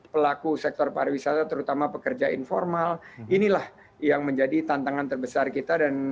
pelaku sektor pariwisata terutama pekerja informal inilah yang menjadi tantangan terbesar kita dan